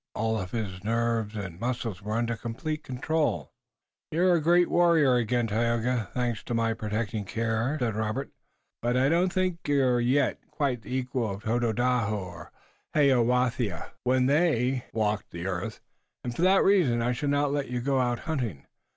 All his nerves and muscles were under complete control. "You're a great warrior again, Tayoga, thanks to my protecting care," said Robert, "but I don't think you're yet quite the equal of Tododaho and Hayowentha when they walked the earth, and, for that reason, I shall not let you go out hunting.